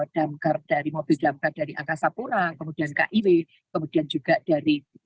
damkar dari mobil damkar dari angkasa pura kemudian kiw kemudian juga dari